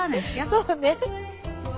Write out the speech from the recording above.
そうね。